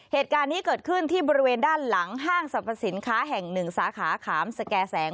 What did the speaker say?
เหตุการณ์นี้เกิดขึ้นที่บริเวณด้านหลังห้างสรรพสินค้าแห่งหนึ่งสาขาขามสแก่แสง